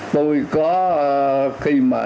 tôi có khi mà